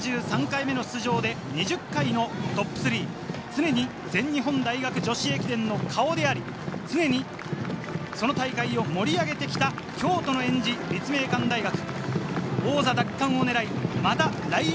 ３３回目の出場で２０回のトップ３、常に全日本大学女子駅伝の顔であり、常にその大会を盛り上げてきた京都のえんじ、立命館大学。